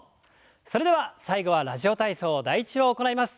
それでは最後は「ラジオ体操第１」を行います。